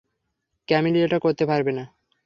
ক্যামিলি এটা করতে পারবে না।